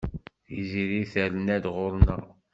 Tiziri terna-d ɣur-neɣ.